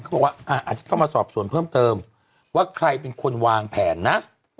เขาบอกว่าอาจจะต้องมาสอบส่วนเพิ่มเติมว่าใครเป็นคนวางแผนนะ